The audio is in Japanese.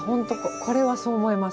これは、そう思います。